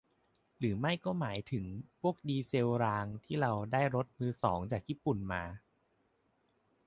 หรือไม่ก็หมายถึงพวกดีเซลรางที่เราได้รถมือสองจากญี่ปุ่นมา ?